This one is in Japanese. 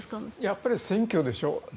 やっぱり選挙でしょう。